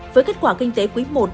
với kết quả kinh tế quý một